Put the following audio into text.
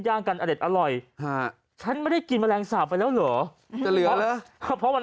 ย่างกันอเด็ดอร่อยฉันไม่ได้กินแมลงสาปไปแล้วเหรอเพราะวัน